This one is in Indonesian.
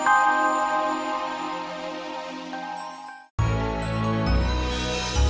akhirnya sekian lama nonila sadar juga kalau gustaf ganteng